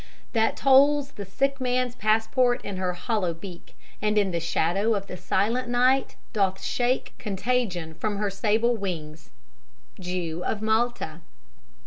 _) "That tolls The sick man's passport in her hollow beak, And in the shadow of the silent night Doth shake contagion from her sable wings." (_Jew of Malta.